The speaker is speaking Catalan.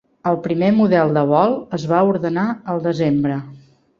El primer model de vol es va ordenar al desembre.